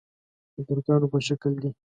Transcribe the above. د ترکانو په شکل دي.